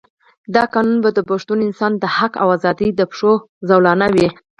دا قانون به د پښتون انسان د حق او آزادۍ د پښو زولانه وي.